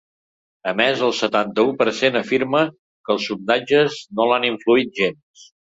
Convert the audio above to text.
A més, el setanta-u per cent afirma que els sondatges no l’han influït gens.